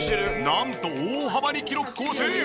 なんと大幅に記録更新。